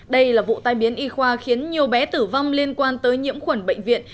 đây là vụ tai biến y khoa khiến nhiều bé tử vong liên quan tới nhiễm khuẩn bệnh viện